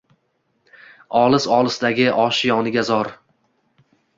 Olis-olisdagi oshiyoniga zor.